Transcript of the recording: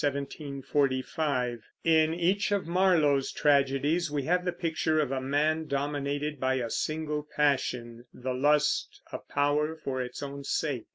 JONATHAN SWIFT (1667 1745) In each of Marlowe's tragedies we have the picture of a man dominated by a single passion, the lust of power for its own sake.